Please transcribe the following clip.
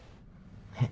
えっ。